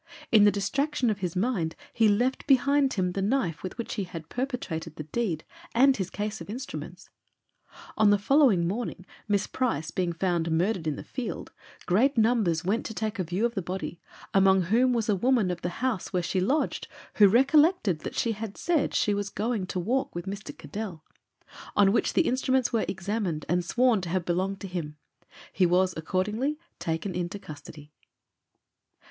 In the distraction of his mind he left behind him the knife with which he had perpetrated the deed, and his case of instruments. On the following morning, Miss Price being found murdered in the field, great numbers went to take a view of the body, among whom was the woman of the house where she lodged, who recollected that she said she was going to walk with Mr. Caddell, on which the instruments were examined and sworn to have belonged to him. He was accordingly taken into custody.